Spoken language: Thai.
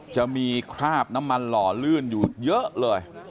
จะมีคราบน้ำมันหล่อลื่นอยู่เยอะเลย